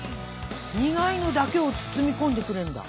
苦いのだけを包み込んでくれるんだ。